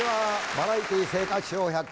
「バラエティー生活笑百科」。